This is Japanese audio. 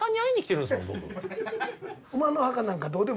馬の墓なんかどうでもいい？